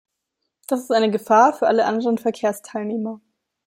Das ist eine Gefahr für alle anderen Verkehrsteilnehmer.